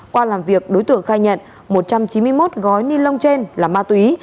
qua làm việc đối tượng khai nhận một trăm chín mươi một gói ni lông trên là ma túy